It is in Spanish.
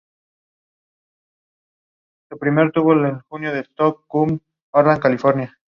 Es una de las ochenta y ocho constelaciones modernas.